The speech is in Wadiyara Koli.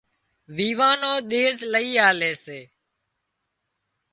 ويوان نو ۮيز لئي آلي سي